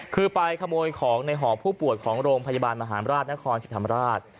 คือไปขโมยของในหอผู้ป่วยของโรงพยาบาลมหาราชนครสิทธิ์ธรรมราช